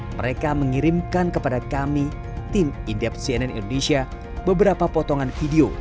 mereka mengirimkan kepada kami tim indef cnn indonesia beberapa potongan video